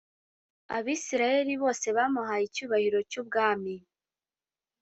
Abisirayeli bose bamuhaye icyubahiro cyubwami